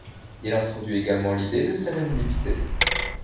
Il introduit également l'idée de sérendipité.